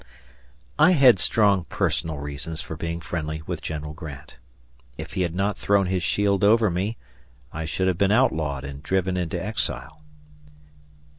I had strong personal reasons for being friendly with General Grant. If he had not thrown his shield over me, I should have been outlawed and driven into exile.